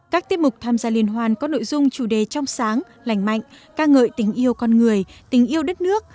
các tiết mục tham gia liên hoan có nội dung chủ đề trong sáng lành mạnh ca ngợi tình yêu con người tình yêu đất nước